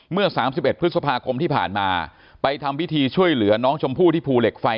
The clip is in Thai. เมื่อ๓๑พฤษภาคมที่ผ่านมาไปทำพิธีช่วยเหลือน้องชมพู่ที่ภูเหล็กไฟ